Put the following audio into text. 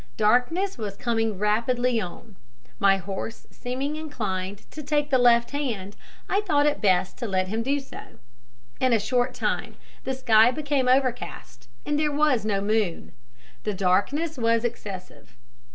Darkness was coming rapidly on. My horse seeming inclined to take the left hand, I thought it best to let him do so. In a short time the sky became overcast, and there was no moon. The darkness was excessive.